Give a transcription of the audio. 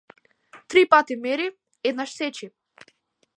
Три пати мери, еднаш сечи.